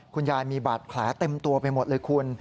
คุณยายมีบาดแผลเต็มตัวไปหมดเลยคุณ